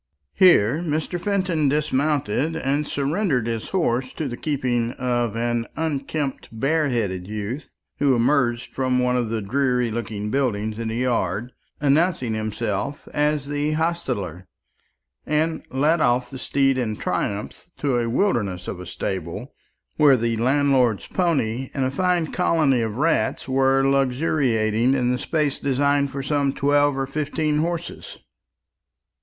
Here Mr. Fenton dismounted, and surrendered his horse to the keeping of an unkempt bareheaded youth who emerged from one of the dreary looking buildings in the yard, announced himself as the hostler, and led off the steed in triumph to a wilderness of a stable, where the landlord's pony and a fine colony of rats were luxuriating in the space designed for some twelve or fifteen horses.